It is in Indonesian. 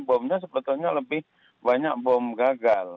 bomnya sebetulnya lebih banyak bom gagal